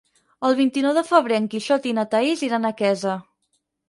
El vint-i-nou de febrer en Quixot i na Thaís iran a Quesa.